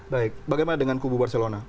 baik bagaimana dengan kubu barcelona